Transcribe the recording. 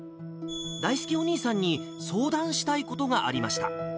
だいすけお兄さんに相談したいことがありました。